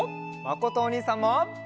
まことおにいさんも！